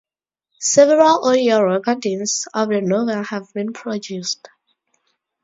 Several audio recordings of the novel have been produced.